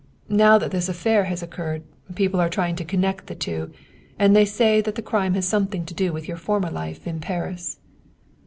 Now that this affair has occurred, people are trying to connect the two, and they say that the crime has something to do with your former life in Paris."